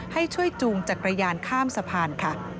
ให้ช่วยจูงจักรยานข้ามสะพานค่ะ